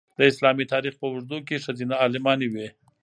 د اسلامي تاریخ په اوږدو کې ښځینه عالمانې وې.